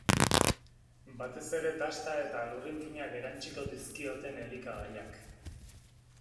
Batez ere dasta eta lurrin finak erantsiko dizkioten elikagaiak.